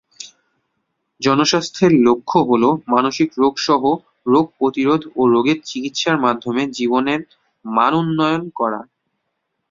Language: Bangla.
জনস্বাস্থ্যের লক্ষ্য হল মানসিক রোগ সহ রোগ প্রতিরোধ ও রোগের চিকিৎসার মাধ্যমে জীবনের মানোন্নয়ন করা।